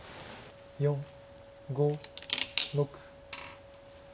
４５６。